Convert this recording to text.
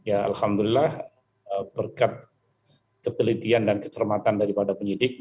alhamdulillah berkat kepelitian dan kesermatan daripada penyidik